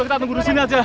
kita tunggu di sini aja